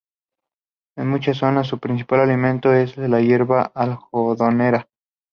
En muchas zonas su principal alimento es la hierba algodonera.